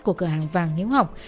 của cửa hàng vàng hiếu học